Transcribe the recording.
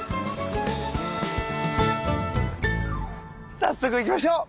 早速行きましょう！